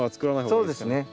そうですね。